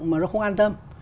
mà nó không an tâm